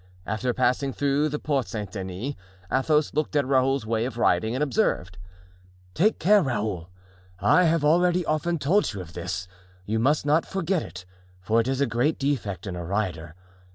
After passing through the Porte Saint Denis, Athos looked at Raoul's way of riding and observed: "Take care, Raoul! I have already often told you of this; you must not forget it, for it is a great defect in a rider.